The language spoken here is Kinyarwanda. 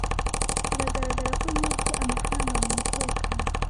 Biragaragara ko yibye amafaranga mumutekano.